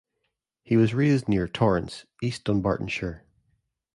He was raised near Torrance, East Dunbartonshire.